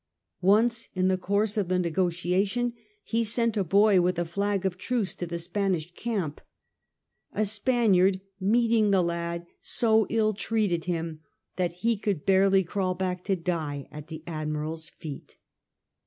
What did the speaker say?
Once in the course of the negotiation he sent a boy with a flag of truce to the Spanish camp. A Spaniard, meeting the lad, so ill treated him that he could barely crawl back to die at the Admiral's feet.